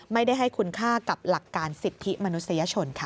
ไม่ได้ให้คุณค่ากับหลักการสิทธิมนุษยชนค่ะ